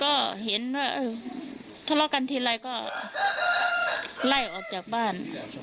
ก็เห็นว่าทะเลาะกันทีไรก็ไล่ออกจากบ้าน